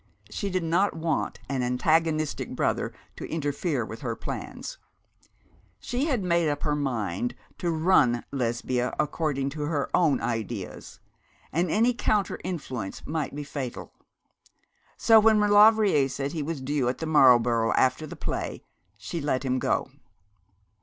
She did not want an antagonistic brother to interfere with her plans. She had made up her mind to 'run' Lesbia according to her own ideas, and any counter influence might be fatal. So, when Maulevrier said he was due at the Marlborough after the play she let him go.